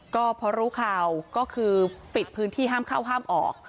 ก็พอรู้ข่าวก็คือปิดพื้นที่ห้ามเข้าห้ามออก